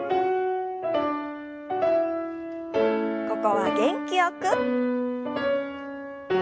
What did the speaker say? ここは元気よく。